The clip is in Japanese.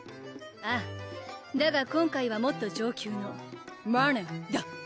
ああだが今回はもっと上級のＭａｎｎｅｒだ